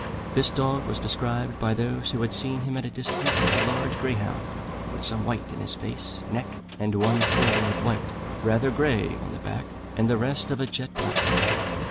This dog was described by those who had seen him at a distance as a large greyhound, with some white in his face, neck and one fore leg white, rather grey on the back, and the rest of a jet black.